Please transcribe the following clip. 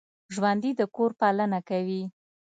ژوندي د کور پالنه کوي